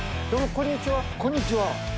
こんにちは。